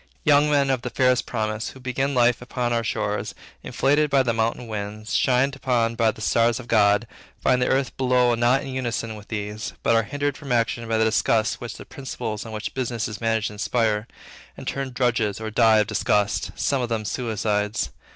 Young men of the fairest promise, who begin life upon our shores, inflated by the mountain winds, shined upon by all the stars of God, find the earth below not in unison with these, but are hindered from action by the disgust which the principles on which business is managed inspire, and turn drudges, or die of disgust, some of them suicides.